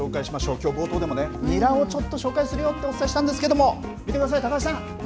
きょう、冒頭でもニラをちょっと紹介するよってお伝えしたんですけれども、見てください、高橋さん。